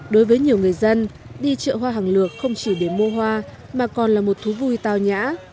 đối với nhiều người dân đi chợ hoa hàng lược không chỉ để mua hoa mà còn là một thú vui tao nhã